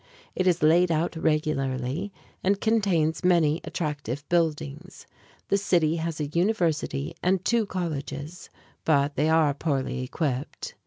It is laid out regularly and contains many attractive buildings. The city has a university and two colleges, but they are poorly equipped.